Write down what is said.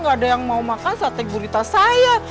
gak ada yang mau makan sate gurita saya